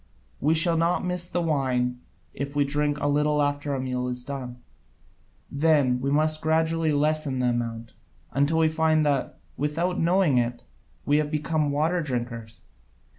We shall not miss the wine if we drink a little after the meal is done. Then we must gradually lessen the amount, until we find that, without knowing it, we have become water drinkers.